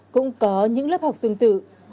cũng có những lớp học tương tự